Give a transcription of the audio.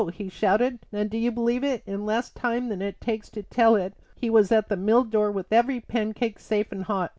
he shouted; and do you believe it? in less time than it takes to tell it he was at the mill door with every pancake safe and hot.